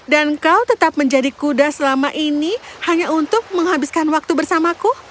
dan kau tetap menjadi kuda selama ini hanya untuk menghabiskan waktu bersamaku